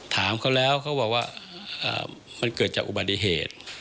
ถามเขาแล้วเขาบอกว่ามันเกิดจากอุบัติเหตุ